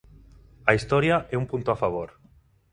A historia é un punto a favor.